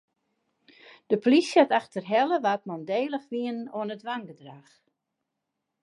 De polysje hat efterhelle wa't mandélich wiene oan it wangedrach.